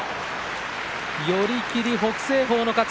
寄り切り、北青鵬の勝ち。